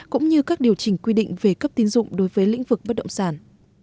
cũng như các điều chỉnh quy định về cấp tín dụng đối với lĩnh vực bất động sản